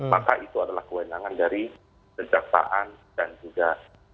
maka itu adalah kewenangan dari kejaksaan dan juga